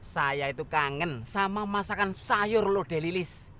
saya itu kangen sama masakan sayur lode lilis